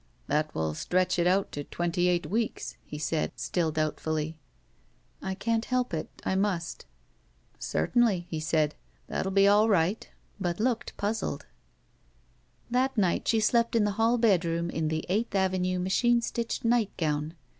''That will stretch it out to twenty eight weeks," he said, still doubtfully. I can't help it; I must." . Certainly," he said, ''that will be all right," but looked puzzled. That night she slept in the hall bedroom in the Eighth Avenue, machine stitched nightgown.